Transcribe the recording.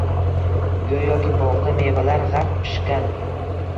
Go‘yoki bog’da mevalar g‘arq pishgan.